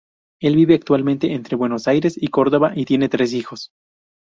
Él vive actualmente entre Buenos Aires y en Córdoba y tiene tres hijos.